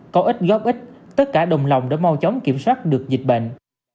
có ít góp ít tất cả đồng lòng đã mau chóng kiểm soát được dịch bệnh